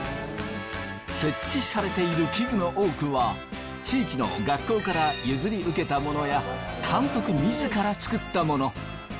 設置されている器具の多くは地域の学校から譲り受けたものや監督自ら作ったもの。